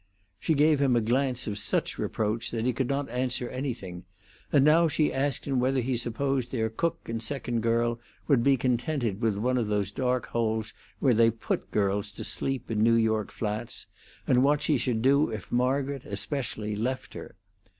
She gave him a glance of such reproach that he could not answer anything, and now she asked him whether he supposed their cook and second girl would be contented with one of those dark holes where they put girls to sleep in New York flats, and what she should do if Margaret, especially, left her.